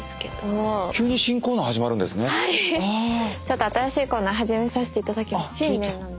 ちょっと新しいコーナー始めさせて頂きます。